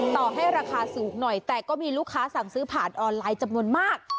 ต่อให้ราคาสูงหน่อยแต่ก็มีลูกค้าสั่งซื้อผ่านออนไลน์จำนวนมาก